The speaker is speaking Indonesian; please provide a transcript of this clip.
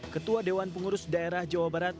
ketua dewan pengurus daerah jawa barat